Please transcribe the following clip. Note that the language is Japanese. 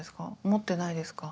思ってないですか？